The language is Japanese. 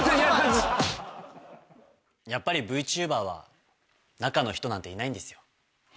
やっぱりＶＴｕｂｅｒは中の人なんていないんですよ。